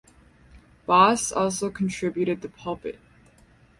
Bos also contributed the pulpit.